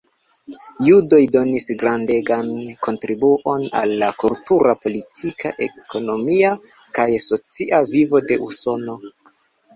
Judoj donis grandegan kontribuon al la kultura, politika, ekonomia kaj socia vivo de Usono.